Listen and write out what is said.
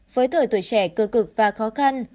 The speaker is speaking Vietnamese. với thời tuổi trẻ cơ cực và khó khăn